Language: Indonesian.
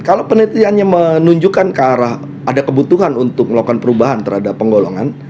kalau penelitiannya menunjukkan ke arah ada kebutuhan untuk melakukan perubahan terhadap penggolongan